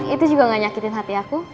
itu juga gak nyakin hati aku